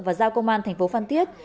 và giao công an thành phố phan thiết